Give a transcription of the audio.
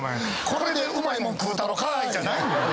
これでうまいもん食うたろかい！じゃないねん。